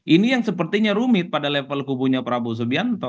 ini yang sepertinya rumit pada level kubunya prabowo subianto